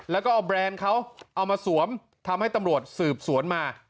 แล้วก็เอาแบรนด์เขาเอามาสวมทำให้ตำรวจสืบสวนมา